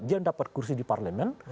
dia dapat kursi di parlemen